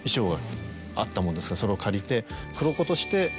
それを借りて。